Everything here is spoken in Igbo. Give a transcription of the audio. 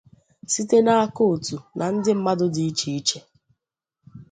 site n'aka òtù na ndị mmadụ dị iche iche